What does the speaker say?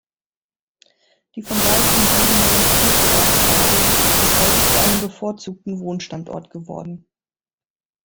Die von Wald umgebene, ruhige Ortslage ist heute zu einem bevorzugten Wohnstandort geworden.